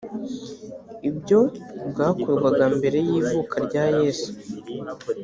ibyo bwakorwaga mbere y’ivuka rya yezu